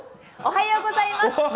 おはようございます。